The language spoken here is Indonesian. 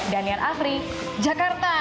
danian afri jakarta